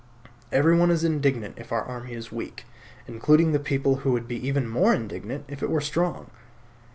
Everyone is indignant if our army is weak, including the people who would be even more indignant if it were strong.